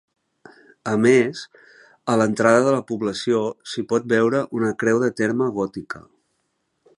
A més, a l'entrada de la població s'hi pot veure una creu de terme gòtica.